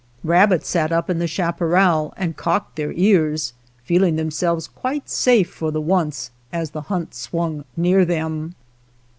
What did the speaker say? Rabbits sat up in the chaparral and cocked their ears, feeling themselves quite safe for the once as the hunt swunor near them.